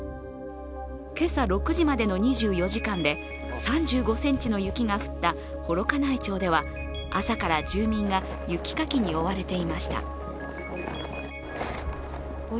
今朝６時までの２４時間で３５ｃｍの雪が降った幌加内町では、朝から住民が雪かきに追われていました。